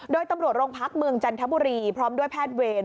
โดยตำรวจโรงพักเมืองจันทบุรีพร้อมด้วยแพทย์เวร